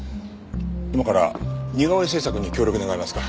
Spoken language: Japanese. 今から似顔絵制作に協力願えますか？